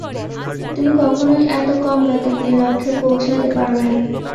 তুমি কখনোই এত কম বেতন দিয়ে লক্ষ্যে পৌঁছাতে পারবে না।